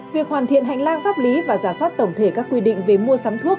việc hoàn thiện hành lang pháp lý và giả soát tổng thể các quy định về mua sắm thuốc